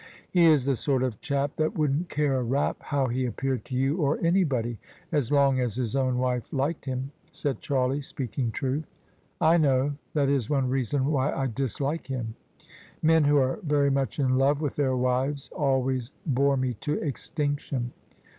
He is the sort of cbap that wouldn't care a rap how he appeared to you or anybody, as long as his own wife liked him^*' said Charlie, speaking truth. I know: that is one reason why I dislike him. Men who are very much in We with their wives alwa^ bore me to extinction.''